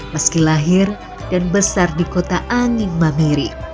meski lahir dan besar di kota angin mamiri